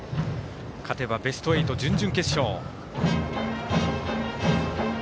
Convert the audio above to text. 勝てばベスト８、準々決勝。